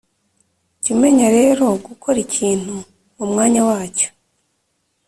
jya umenya rero gukora ikintu mu mwanya wacyo,